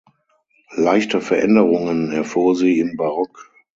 Leichte Veränderungen erfuhr sie im Barock.